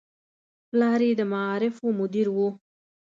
پلار یې د معارفو مدیر و.